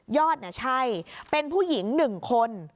ยอดนี่ใช่เป็นผู้หญิง๑คน